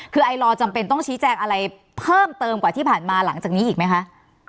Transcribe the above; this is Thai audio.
คือไอลอจำเป็นต้องชี้แจงอะไรเพิ่มเติมกว่าที่ผ่านมาหลังจากนี้อีกไหมคะ